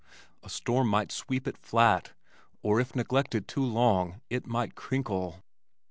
A storm might sweep it flat, or if neglected too long, it might "crinkle."